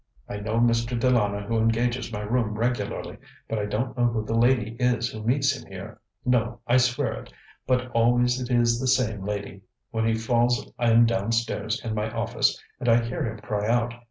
I know Mr. De Lana who engages my room regularly, but I don't know who the lady is who meets him here. No! I swear it! But always it is the same lady. When he falls I am downstairs in my office, and I hear him cry out.